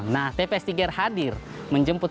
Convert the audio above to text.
nah tps tiga r hadir menjemput